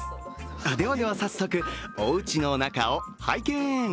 ではでは、早速おうちの中を拝見。